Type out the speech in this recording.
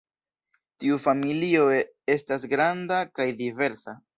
Tiu familio estas kaj granda kaj diversa.